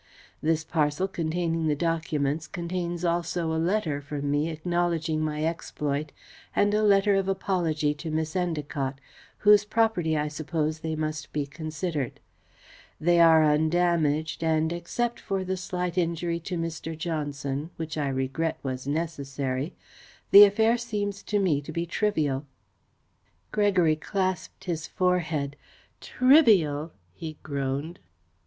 This parcel containing the documents contains also a letter from me acknowledging my exploit and a letter of apology to Miss Endacott, whose property I suppose they must be considered. They are undamaged and, except for the slight injury to Mr. Johnson, which I regret was necessary, the affair seems to me to be trivial." Gregory clasped his forehead. "Trivial!" he groaned.